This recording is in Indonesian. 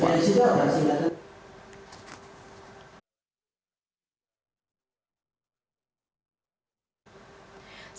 pada sidang sebelumnya syahrini kembali mencari pekerjaan untuk mencari pekerjaan di eropa